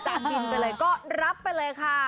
กินไปเลยก็รับไปเลยค่ะ